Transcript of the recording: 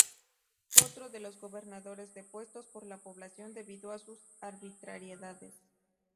Fue otro de los gobernadores depuestos por la población debido a sus arbitrariedades.